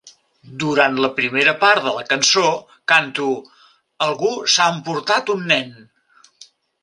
Durant la primera part de la cançó, canto "algú s'ha emportat un nen".